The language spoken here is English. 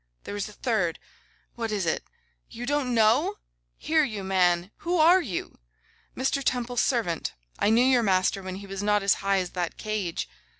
There is a third. What is it? You don't know! Here, you man, who are you? Mr. Temple's servant. I knew your master when he was not as high as that cage.